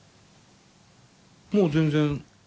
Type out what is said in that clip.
もう全然？